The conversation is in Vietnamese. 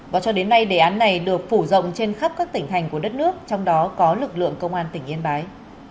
và cho đến nay đề án này được phủ rộng trên khắp các tỉnh thành của đất nước trong đó có lực lượng công an tỉnh yên bái